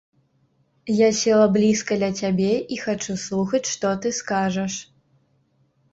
Я села блізка ля цябе і хачу слухаць, што ты скажаш.